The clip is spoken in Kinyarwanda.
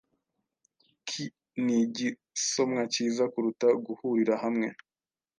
ki nigisomwa cyiza kuruta guhurira hamwe